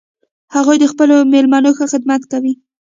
هغوی د خپلو میلمنو ښه خدمت کوي